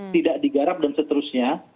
tidak digarap dan seterusnya